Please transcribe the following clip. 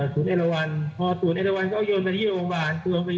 เพราะว่าพอสวจน์เอโรวัลก็ย่นไปที่โรงพยาบาล